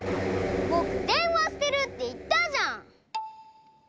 ぼくでんわしてるっていったじゃん！